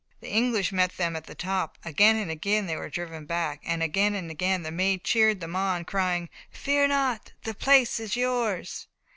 The English met them at the top; again and again they were driven back, again and again the Maid cheered them on, crying: "Fear not! the place is yours!"